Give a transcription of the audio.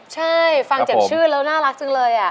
ใช่ฟังจากชื่อแล้วน่ารักจังเลย